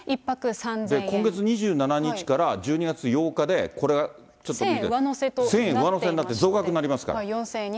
今月２７日から１２月８日で、１０００円上乗せとなってい１０００円上乗せになって増額になりますから。